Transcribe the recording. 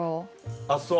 あっそう。